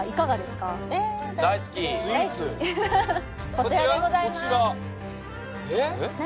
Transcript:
こちらでございますえっ？